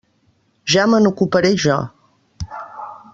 Ja me n'ocuparé jo.